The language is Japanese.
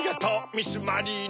ミス・マリーネ。